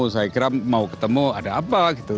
saya kira mau ketemu ada apa gitu